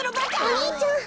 お兄ちゃん。